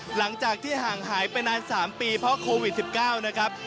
หลังจากที่ห่างหายไปนาน๓ปีเพราะโควิด๑๙นะครับ